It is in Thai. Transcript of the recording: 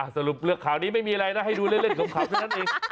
สรุปข่าวนี้ไม่มีอะไรนะให้ดูเล่นขำเท่านั้นเอง